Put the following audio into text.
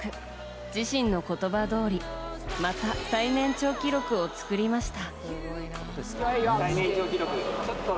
自身の言葉どおりまた最年長記録を作りました。